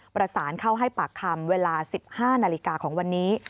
ประสานเข้าให้ปากคำเวลา๑๕นาฬิกาของวันนี้